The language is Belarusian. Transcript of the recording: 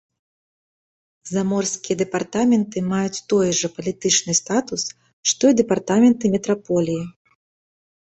Заморскія дэпартаменты маюць той жа палітычны статус, што і дэпартаменты метраполіі.